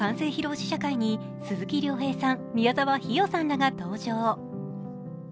試写会に鈴木亮平さん、宮沢氷魚さんらが登場。